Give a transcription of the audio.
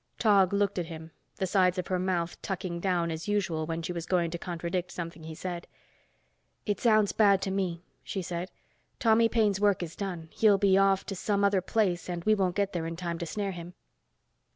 Tog looked at him, the sides of her mouth tucking down as usual when she was going to contradict something he said. "It sounds bad to me," she said. "Tommy Paine's work is done. He'll be off to some other place and we won't get there in time to snare him."